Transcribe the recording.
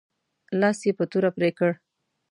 لاس یې په توره پرې کړ.